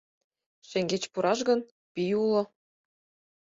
Шеҥгеч пураш гын, пий уло.